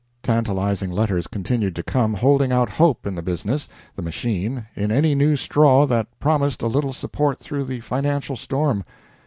Tantalizing letters continued to come, holding out hope in the business the machine in any straw that promised a little support through the financial storm.